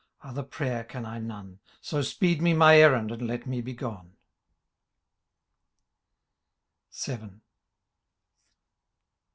* Other prayer can I none ; So speed me my errand, and let me be gone.*^— VII.